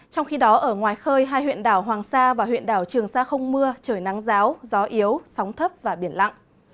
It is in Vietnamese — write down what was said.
trong khi đó ở ngoài khơi hai huyện đảo hoàng sa và huyện đảo trường sa không mưa trời nắng giáo gió yếu sóng thấp và biển lặng